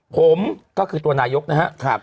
ผมก็คือตัวนายกนะครับ